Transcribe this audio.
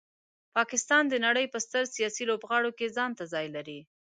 پاکستان د نړۍ په ستر سیاسي لوبغاړو کې ځانته ځای لري.